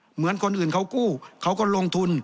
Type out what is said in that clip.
เหมือนคนอื่นเขากู้เขาก็ลงทุน